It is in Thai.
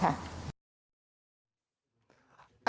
เครื่องมือที่คุณหญิงหมอบอกนี่แหละครับ